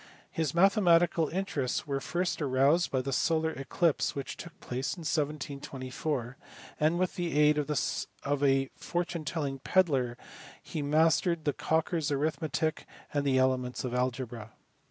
His mathematical interests were first aroused by the solar eclipse which took place in 1724, and with the aid of a fortune telling pedler he mastered Cocker s Arithmetic and the elements of algebra.